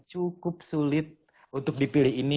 cukup sulit untuk dipilih ini